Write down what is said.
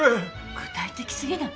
具体的すぎない？